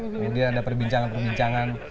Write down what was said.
kemudian ada perbincangan perbincangan